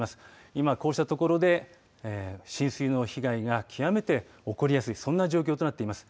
今こうしたところで浸水の被害が極めて起こりやすいそんな状況となっています。